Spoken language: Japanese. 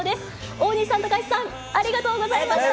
大西さん、高橋さん、ありがとうございました。